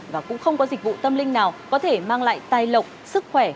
và cũng không có dịch vụ tâm linh nào có thể mang lại tài lộc sức khỏe